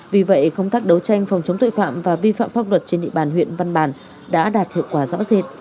vì vậy công tác đấu tranh phòng chống tội phạm và vi phạm pháp luật trên địa bàn huyện văn bàn đã đạt hiệu quả rõ rệt